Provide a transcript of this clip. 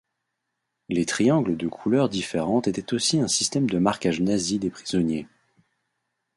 Les triangles de couleurs différentes étaient aussi un système de marquage nazi des prisonniers.